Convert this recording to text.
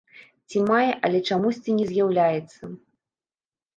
Ці мае, але чамусьці не з'яўляецца.